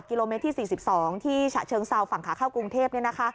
กิโลเมตรที่๔๒ที่ฉะเชิงเซาฝั่งขาเข้ากรุงเทพ